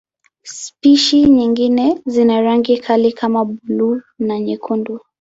Spishi nyingine zina rangi kali kama buluu na nyekundu.